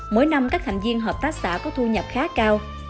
mỗi năm các thành viên hợp tác xã có thu nhập khá cao